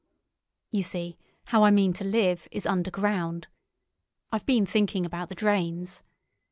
... You see, how I mean to live is underground. I've been thinking about the drains.